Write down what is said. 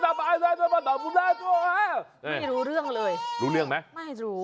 ไม่รู้เรื่องเลยรู้เรื่องไหมไม่รู้